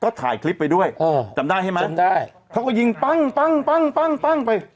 ก็ถ่ายคลิปไปด้วยเออจำได้ใช่ไหมจำได้เขาก็ยิงปั้งปั้งปั้งปั้งปั้งไป